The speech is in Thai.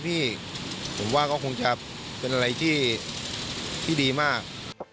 พี่ผมว่าก็คงจะเป็นอะไรที่ดีมาก